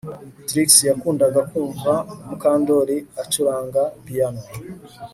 Trix yakundaga kumva Mukandoli acuranga piyano